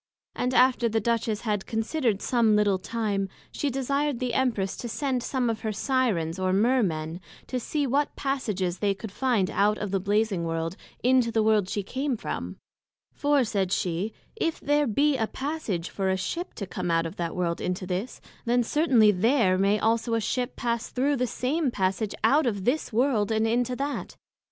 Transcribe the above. And after the Duchess had considered some little time, she desired the Empress to send some of her Syrens or Mear men, to see what passages they could find out of the Blazing World, into the World she came from; for, said she, if there be a passage for a Ship to come out of that World into this; then certainly there may also a Ship pass thorow the same passage out of this World into that.